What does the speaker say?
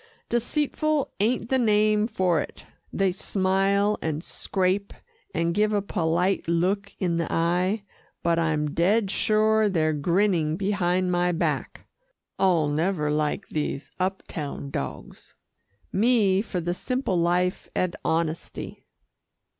"Deceitful ain't the name for it. They smile and scrape, and give a polite look in the eye, but I'm dead sure they're grinning behind my back. I'll never like these up town dogs. Me for the simple life and honesty."